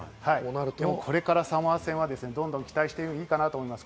これからサモア戦は、どんどん期待していいかなと思います。